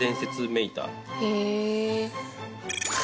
へえ。